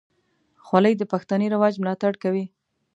خولۍ د پښتني رواج ملاتړ کوي.